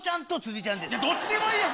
どっちでもいいよ